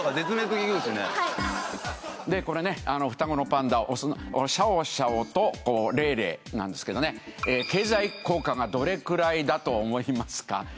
これ双子のパンダオスのシャオシャオとレイレイなんですけど経済効果がどれくらいだと思いますか？